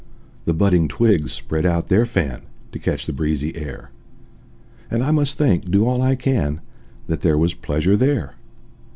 The budding twigs spread out their fan, To catch the breezy air; And I must think, do all I can, That there was pleasure there.